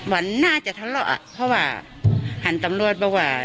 วันน่าจะทะเลาะเพราะว่าหันตำรวจบอกว่า